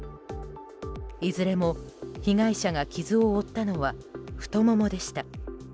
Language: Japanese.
いずれも被害者が傷を負ったのは太ももでした。